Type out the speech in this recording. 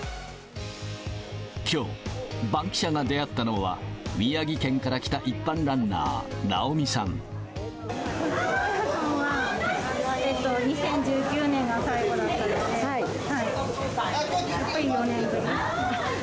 きょう、バンキシャが出会ったのは宮城県から来た一般ランナー、なおみさ東京マラソンは、２０１９年が最後だったので、４年ぶりです。